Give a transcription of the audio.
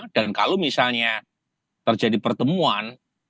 dan kalau misalnya terjadi pertemuan